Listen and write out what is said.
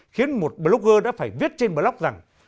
khiến một blogger đã phải viết trên blog rằng